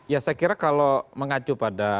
ya saya kira kalau mengacu pada